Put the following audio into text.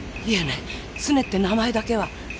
いえねツネって名前だけは。